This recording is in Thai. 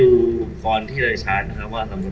สวัสดีครับวันนี้เราจะกลับมาเมื่อไหร่